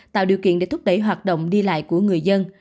tạo điều kiện để thúc đẩy hoạt động đi lại của người dân